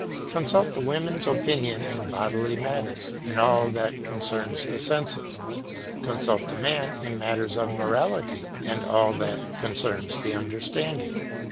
Consult the women's opinions in bodily matters, in all that concerns the senses; consult the men in matters of morality and all that concerns the understanding.